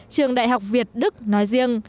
trường đại học việt đức nói riêng